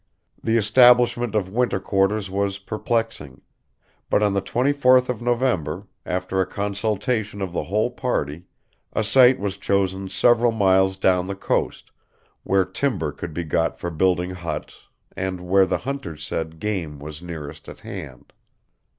The establishment of winter quarters was perplexing; but on the 24th of November, after a consultation of the whole party, a site was chosen several miles down the coast, where timber could be got for building huts, and where, the hunters said, game was nearest at hand.